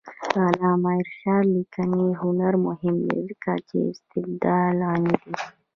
د علامه رشاد لیکنی هنر مهم دی ځکه چې استبداد غندي.